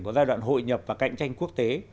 của giai đoạn hội nhập và cạnh tranh quốc tế